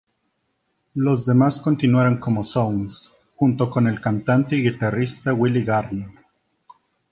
Los demás continuaron como Zones, junto con el cantante y guitarrista Willie Gardner.